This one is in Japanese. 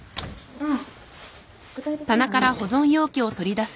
うん。